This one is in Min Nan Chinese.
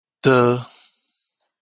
箸